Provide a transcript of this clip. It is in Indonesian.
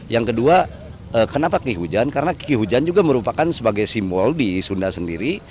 yang kedua kenapa ki hujan karena ki hujan juga merupakan sebagai simbol di sunda sendiri